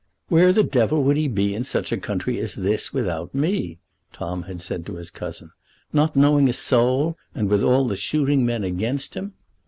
"Where the devil would he be in such a country as this without me," Tom had said to his cousin, "not knowing a soul, and with all the shooting men against him?